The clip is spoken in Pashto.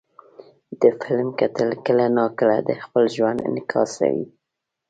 د فلم کتل کله ناکله د خپل ژوند انعکاس وي.